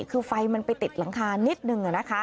คือไฟมันไปเต็ดหลังคานิดหนึ่งอะนะคะ